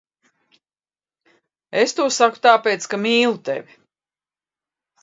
Es to saku tāpēc, ka mīlu tevi.